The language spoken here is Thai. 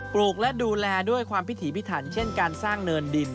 ลูกและดูแลด้วยความพิถีพิถันเช่นการสร้างเนินดิน